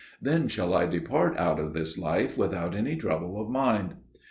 Then shall I depart out of this life without any trouble of mind.'"